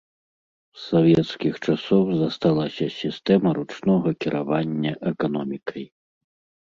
З савецкіх часоў засталася сістэма ручнога кіравання эканомікай.